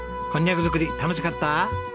こんにゃく作り楽しかった？